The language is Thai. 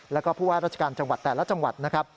แล้วก็ผู้ว่าราชการจังหวัดแต่ละจังหวัดนะครับ